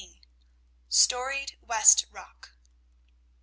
STORIED WEST ROCK.